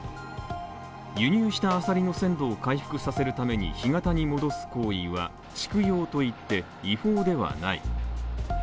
輸入したアサリの鮮度を回復させるために干潟に戻す行為は畜養といって、違法ではない。